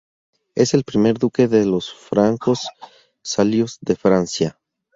Es el primer Duque de los francos salios de Francia.